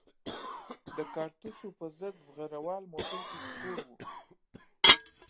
د کارتوسو په ضد زغره وال موټر کې سپور وو.